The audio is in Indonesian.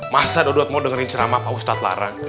masa dodot mau dengerin ceramah pak ustadz larang